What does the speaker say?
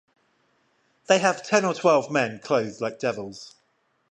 They have ten or twelve men clothed like devils.